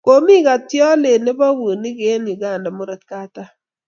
komi katyolet nebo bunyik eng' Uganda murot katam.